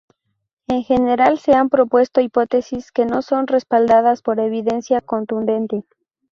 En general se han propuesto hipótesis que no son respaldadas por evidencia contundente.